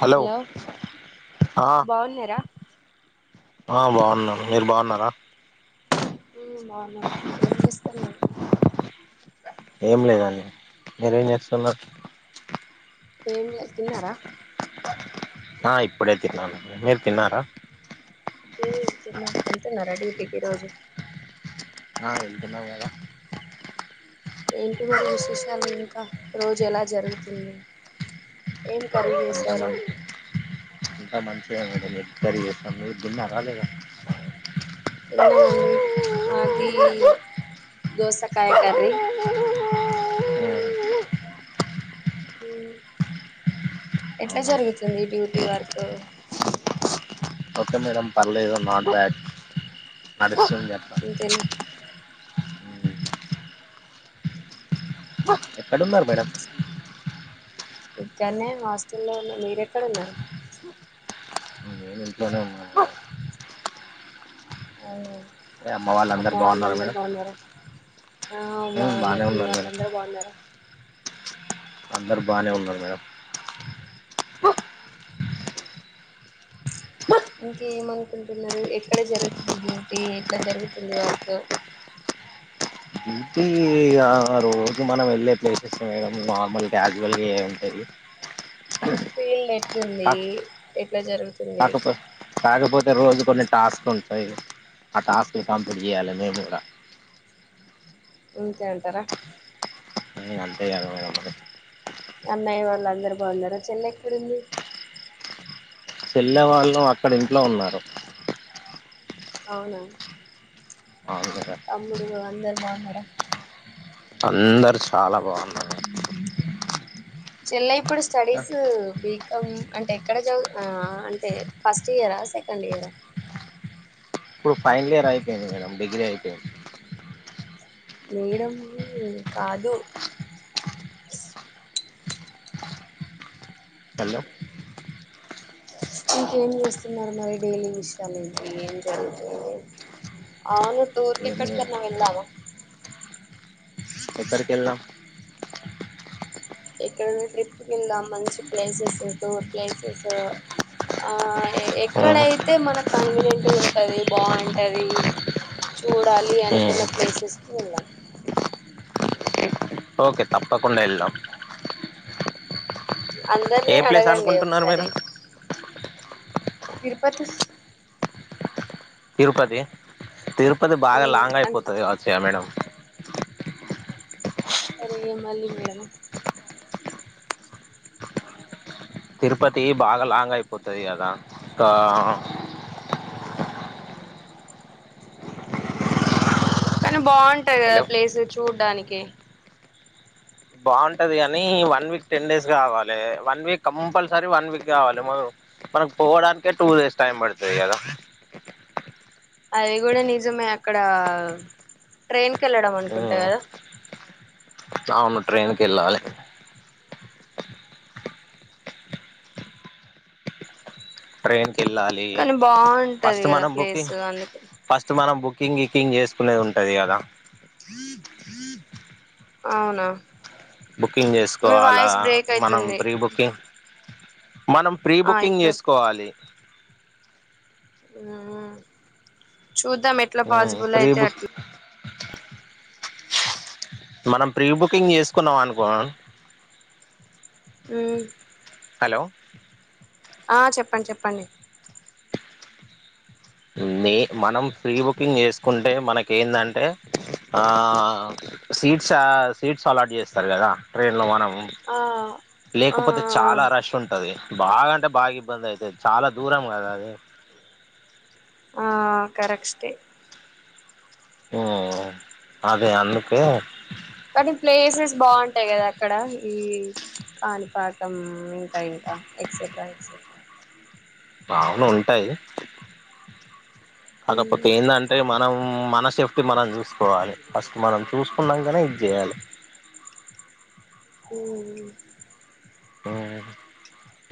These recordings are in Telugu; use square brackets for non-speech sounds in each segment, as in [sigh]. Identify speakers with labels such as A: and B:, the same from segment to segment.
A: హలో ఆ
B: బాగున్నారా
A: ఆ బాగున్నాం మీరు బాగున్నారా
B: బాగున్నాం ఏం చేస్తానవు
A: ఏం లేదండి మీరేం చేస్తున్నారు
B: ఏం లే తిన్నారా
A: ఆ ఇప్పుడే తిన్నాను మీరు తిన్నారా
B: యెల్తున్నారా డ్యూటీకి ఈరోజు
A: అ వెళ్కున్నారు కాదా
B: ఏంటి మరి విశేషాలు ఇంకా రోజు ఎలా జరుగుతుంది ఏం కర్రీ చేసారు
A: అ మంచిగా మేము ఎగ్ కర్రీ చేస్తాం మీరుదిన్నర లేద
B: తిన్నామండి మాది దోసకాయ కర్రి ఎట్లా
A: అవునండి
B: జరుగుతుంది డ్యూటీ వర్క్
A: ఓకే మేడం పర్లేదు నాట్ బ్యాడు నడుసు త
B: అంతేనా
A: ఎక్కడున్నారు మేడం
B: ఇకన్నే హాస్టల్ లో ఉన్న మీరేక్కడ ఉన్నారు
A: ఇంట్లనే ఉన్న
B: అవునా అమ్మ
A: వాళ్ళందరు బాగున్నారా
B: వాళ్ళందరు బాగున్నారా ఆ
A: మేడం బానే
B: బాగున్నారు మీ
A: ఉన్నారు మేడం
B: వాళ్ళందరు బాగున్నారా
A: అందరు బానే ఉన్నారు మేడం
B: ఇంకేమ అనుకుంటున్నరు ఎక్కడ జరుగుతుంది డ్యూటీ ఎట్లా జరుగుతుంది వర్క్
A: ఇగ రోజు మనం వెళ్ళే ప్లేసెస్ మ నార్మల్ క్యాజువల్గా ఏం ఉంటది
B: ఫీల్డ్ ఎట్లుంది ఎట్లా జరుగుతుంది
A: కాకపో కాకపోతే రోజు కొన్ని టాస్క్లు ఉంటాయి ఆ టాస్కులు కంప్లీట్ చేయాలి మేము కూడా
B: ఉంతే అంటారా
A: ఇ అంతే కదా మేడం మరి
B: అన్నయి వాళ్ళు అందరు బాగున్నారా చెల్ల ఎక్కడుంది
A: చెల్లే వాళ్ళు అక్కడ ఇంట్లో ఉన్నారు
B: అవునా
A: అవునా
B: నువ్ అందరు బాగున్నారా
A: అందరు చాలా బాగున్నారు
B: చెల్లై ఇప్పుడు స్టడీస్ బికామ్ అంటే ఎక్కడ చదు ఆ అంటే ఫస్ట్ ఇయరా సెకండ్ ఇయరా
A: ఇప్పుడు ఫైనల్ ఇయర్ అయిపోయింది మేడం డిగ్రీ అయిపోయింది
B: మేడం కాదు
A: హలో
B: ఇంకేం చేస్తున్నారు మరి డైలీ విషయాలు ఏంటి ఏం జరుగుతుయి అవును్ టూర్ క
A: ఏం లేదు
B: ఎక్కడికనా వెళ్దామా
A: ఎక్కడికెళ్దాం
B: ఎక్కడ ట్రిప్ కి వెళ్దా మంచి ప్లేసెస్ టూర్ ప్లేసెస్ ఆ
A: ఉమ్,
B: ఎక్కడైతే మనకు కన్వీనియంట్ ఉంటది బాం టది చూడాలి
A: ఉమ్.
B: అనుకున్న ప్లేసెస్ కి వెళ్దాం
A: ఓకే తప్పకండ ఎళ్దాం
B: అందరినీ అడగండి
A: అనుకుంటున్నారు
B: ఒకసరి
A: మీరు
B: తిరుపతి
A: తిరుపతి తిరు ఇప్పది బాగా
B: ఉమ్
A: లాంగ్
B: అంతే
A: అయిపోతుంది గవచ్చయా మేడం
B: అరే ఏ మళ్ళి మేడమ
A: తిరుపతి బాగా లాంగ్ అయిపోతది కదా ఇంకా
B: కను బాం టది గద
A: హలో
B: ప్లేస్ చూ దానికి
A: బాగుంటది కానీ వన్ వీక్ టెన్ డేస్ కావాలి one week compulsory one week కావాలి మన మనకు పోవడానికే టూ డేస్ టైం పడుతుంది కదా
B: అది కూడా నిజమే అక్కడ ట్రైన్కి కెళ్ళడం అనుకుంటా కదా
A: అవును ట్రైన్ కెళ్ళాలే ట్రేన్ ఎళ్ళాలి
B: కానీ బాగుంటది
A: ఫస్ట్
B: కదా
A: మనం
B: ప్లేస్
A: బుకింగ్
B: అందుకే
A: ఫస్ట్ మనం బుక్ కకింగ్ క్కింగ్ చేసుకునేది ఉంటది కదా
B: అవునా
A: బుకింగ్
B: మీ
A: జేసుకోవాల
B: వాయిస్ బ్రేక్
A: మనం
B: అయితుంది
A: ప్రీబుకింగ్ మనం ప్రీ
B: ఆ
A: బుకింగ్
B: ఇప్పుడు
A: చేసుకోవాలి
B: ఆ చూద్దాం ఎట్లా పాసిబుల్
A: ప్రీ
B: అయితే
A: బుక్
B: అట్లా
A: మనం ప్రీ బుకింగ్ చేసుకున్నాం అనుకో
B: ఊ
A: హలో
B: ఆ చెప్పండి చెప్పండి
A: మనం ఫ్రీ బుకింగ్ చేసుకుంటే మనకు ఏందంటే ఆ సీట్స్ సీట్స్ అలాట్ చేస్తారు కదా ట్రైన్ లో మనం
B: ఆ ఆ
A: లేకపోతే చాలా రష్ ఉంటాది బాగా అంటే బాగా ఇబ్బంది అయితాది చాలా దూరం కదా అది
B: ఆ కరెక్షటే
A: ఓ అదే అందుకే
B: కానీ ప్లేసెస్ బాగుంటాయి కదా అక్కడ ఈ కాణిపాకం ఇంకా ఇంకా ఎక్సెట్రా ఎక్సెట్రా
A: బావున ఉంటాయి [unintelligible]
B: మ్మ్
A: పోతే ఏంది అంటే మన్ మనం మన సేఫ్టీ మనం చూసుకోవాలి ఫస్ట్ మనం చూసుకున్నాంకానే ఇది చేయాలి
B: అ
A: పొవత్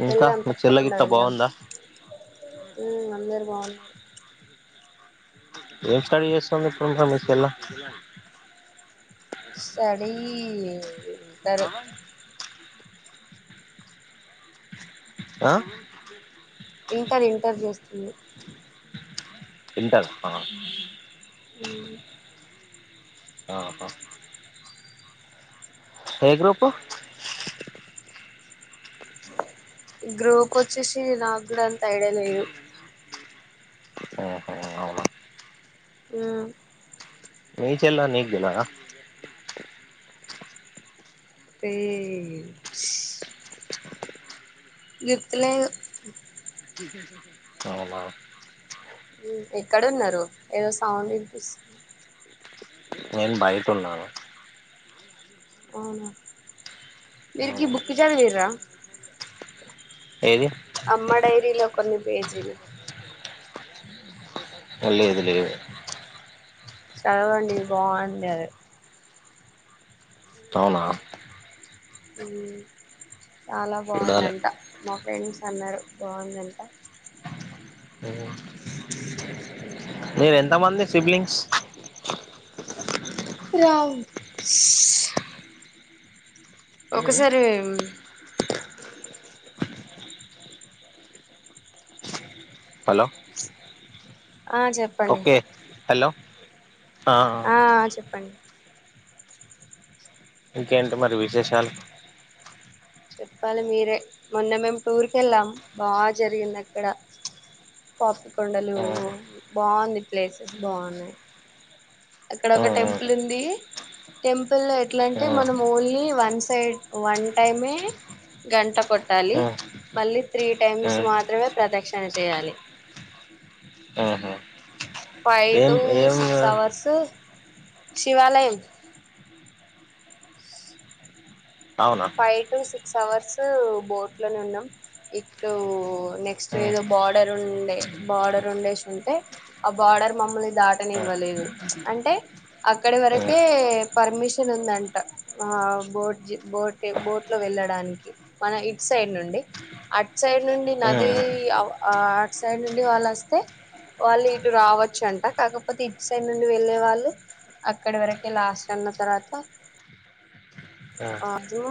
B: వెళ్ళాదాం తప్పకుండ వెళ్ళాం ఉ అందరు బాగున్నా
A: ఏం స్టాయిల్ చేస్తుంది ఇప్పుడు ఆమె పెళ్ళొ
B: సడీ ఉంటారు
A: ఆ
B: ఇంటర్ ఇంటర్ చేస్తుంది
A: ఇంపాడు వస్తావ
B: అ
A: ఆహా ఎ గ్రూపు
B: గ్రూప్ వచ్చెసి ఇ నాగ్ కూడంద్ యాయిడ లేదు
A: ఓహొ అవునా
B: హ్మ్
A: నీ చెల్లె నీకు తెలవదా
B: తె గుర్తు లేదు
A: అవునా
B: ఉ ఎక్కడ ఉన్నారు ఏదో సౌండ్ వినిపిస్తు
A: నేన్ బయట ఉన్నాను
B: అవునా విరికి బుక్ చదువీర్ర
A: ఏది
B: అమ్మ డైరీలో కొన్ని పేజీలు
A: లేదు లేదు
B: చదవండి బావుంది అది
A: అవునా
B: అ చాలా
A: చూడాలి
B: బాగుందంట ఫ్రెండ్స్ అన్నారు బాగుందంట
A: ఓ నేను ఎంతమంది సిబ్లింగ్స్
B: రామ్స్ ఒక్కసారి
A: హలో
B: ఆ చెప్పండి
A: ఓకే హలో
B: ఆ చెప్పండి
A: ఇంకేంటి మరి విశేషాలు
B: చెప్పాలి మీరే మొన్న మేము టూర్ కి వెళ్ళాం బాగా జరిగింది అక్కడ పాప్ కొండలు బాగుంది ప్లేసెస్ బాగున్నాయి అక్కడ ఒక టెంపుల్ ఉంది టెంప్ పుల్ ఎట్లా అంటే మనం only one side one time ఏ గంట కొట్టాలి మళ్ళీ త్రీ టైమ్స్ మాత్రమే ప్రదక్షిణ చేయాలి ఫైవ్
A: ఏం
B: టు
A: ఏం
B: సిక్స్ అవర్స్ శివాలయం
A: అవునా
B: ఫైవ్ టు సిక్స్ అవర్స్ యు బోట్ లోనే ఉన్నాం ఇటు నెక్స్ట్ ఏదో బార్డర్ ఉండే బార్డర్ ఉండే అంటే ఆ బార్డర్ మమ్మల్ని దాట నీ ఇవ్వలేదు అంటే అక్కడి వరికే పర్మిషన్ ఉంది అంట ఆ బోట్ బోట్ బోట్ లో వెళ్ళడానికి మనం ఇటు సైడ్ నుండి అటు సైడ్ నుండి నది ఆ అటు సైడ్ నుండి వాళ్ళు వస్తే వాళ్ళు ఇటు రావచ్చు అంట కాకపోతే ఇటు సైడ్ నుండి వెళ్ళే వాళ్ళు అక్కడి వరకే లాస్ట్ అన్న తర్వాత అదు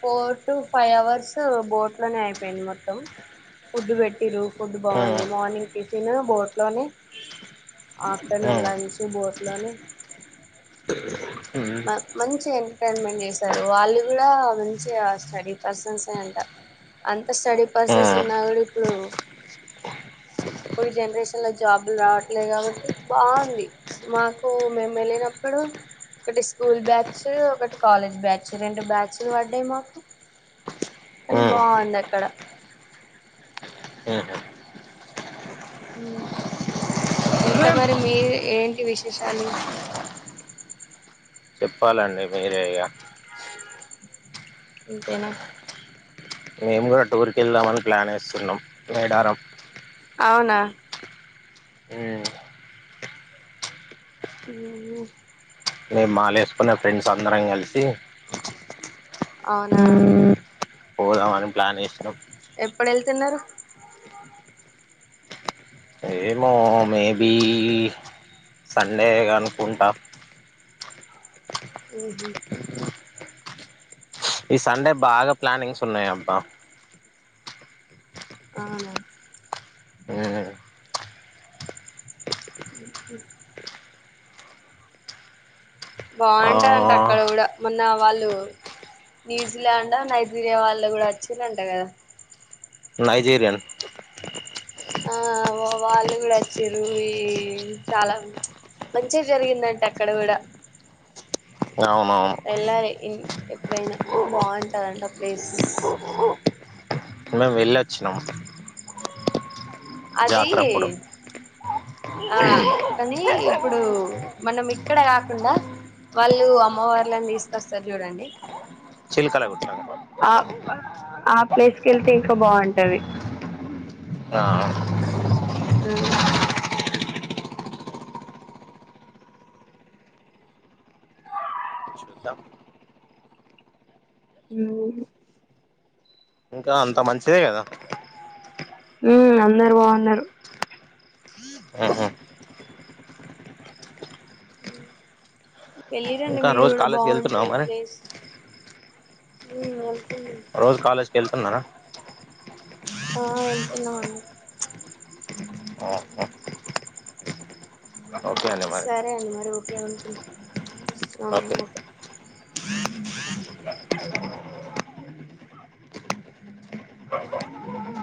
B: ఫోర్ టు ఫైవ్ అవర్స్ బోట్లోనే అయిపోయింది మొత్తం ఫుడ్ పెట్టిరు ఫుడ్ బాగుంది మార్నింగ్ టిఫిన్ బోట్లోనే ఆఫ్టర్నూన్ లంచ్ బోట్లోనే మంచి ఎంటర్టైన్మెంట్ చేసారు వాళ్ళు కూడా మంచి స్టడీ పర్సన్సే అంట అంత స్టడీ పర్సన్స్ ఉన్నా కూడా ఇప్పుడు ఇప్పుడు జనరేషన్లో జాబులు రావట్లేదు కాబట్టి బాగుంది మాకు మేము వెళ్ళినప్పుడు ఒకటి స్కూల్ బ్యాచ్ ఒకటి కాలేజ్ బ్యాచ్ రెండు బ్యాచ్లు పడ్డాయి మాకు కానీ బాగుంది అక్కడ ఉ ఇంకా మరి మీ ఏంటి విశేషాలు
A: చెప్పాలండి మీరే ఇగ
B: ఇంతేనా
A: మేం గుడ టూర్కెళ్దామని ప్లాన్ ఏస్తున్నం మేడారం.
B: అవ్నా.
A: ఉమ్,
B: మ్ మ్
A: మేం మలేస్కునే ఫ్రెండ్స్ అందరం కల్సి.
B: అవునా
A: పోదాం అని ప్లాన్ ఏసినం.
B: ల్తున్నరు.
A: ఏమో మే బీ సండే అనుకుంటా.
B: మ్ హ్
A: ఈ సండే బాగా ప్లానింగ్స్ ఉన్నయి అబ్బా
B: అవునా
A: ఉమ్,
B: [inaudible]
A: ఆ
B: బాగుంటది అంట అక్కడ గుడా మొన్న వాళ్ళు న్యూజిలాండ నైజీరియా వాళ్ళు గుడా వచ్చిలంట కదా
A: నైజేరియన్.
B: ఆ వాళ్ళు గుడ వచ్చిన్రూ ఈ చాలా మంచిగా జరిగిందంట అక్కడ గుడా
A: అవునవును.
B: ఈ ఎప్పుడైనా బాగుంటదంట ప్లేస్.
A: మేం వెళ్ళొచ్చినం.
B: అది ఆ కనీ ఇప్పుడు మనం ఇక్కడ కాకుండా వాళ్ళు అమ్మవార్లను తీస్కస్తారు చూడండి
A: చిల్కల గుట్ట
B: ఆ ఆ ప్లేస్కెళ్తే ఇంకా బాగుంటది.
A: ఆ
B: [inaudible]
A: చూద్దాం
B: మ్
A: ఇంకా అంతా మంచిదే కదా
B: ఉమ్ అందరు బాగున్నరు.
A: ఉహు.
B: ఎళ్ళి రండి
A: ఇంకా
B: మీరు
A: రోజు
B: గుడా
A: కాలేజ్కి వెళ్తున్నావా
B: బాగుంటది
A: మరి
B: ప్లేస్. మ్ ఎల్
A: రోజూ కాలేజ్ ఎళ్తున్నారా?
B: ఆ ఎళ్తున్నమండి.
A: ఓకే అండి మరి
B: సరే అండి మరి ఓకే ఉంటుం ఆ ఓకే